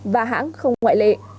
và hãng không ngoại lệ